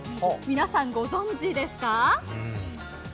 皆さんご存じですか？